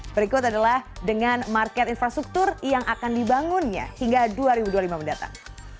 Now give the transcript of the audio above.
berikut adalah dengan market infrastruktur yang akan dibangunnya hingga dua ribu dua puluh lima mendatang